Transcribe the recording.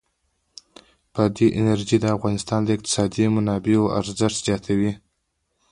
بادي انرژي د افغانستان د اقتصادي منابعو ارزښت زیاتوي.